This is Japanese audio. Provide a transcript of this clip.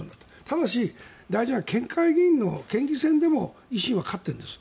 ただし大事なのは県会議員の県議選でも維新は勝っているんです。